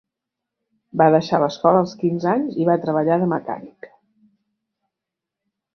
Va deixar l'escola als quinze anys i va treballar de mecànic.